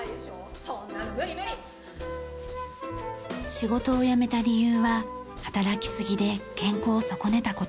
仕事を辞めた理由は働きすぎで健康を損ねた事。